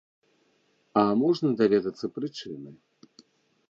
А можна даведацца прычыны?